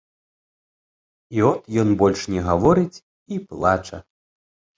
І от ён больш не гаворыць і плача.